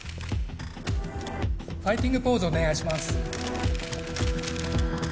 ファイティングポーズお願いします。